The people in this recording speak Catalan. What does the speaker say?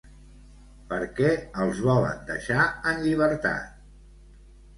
Per què els volen deixar en llibertat?